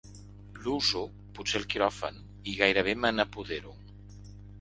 L'uso, potser al quiròfan, i gairebé me n'apodero.